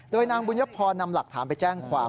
โดยนางบุญยพรนำหลักฐานไปแจ้งความ